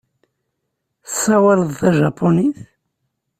Tessawaleḍ tajapunit.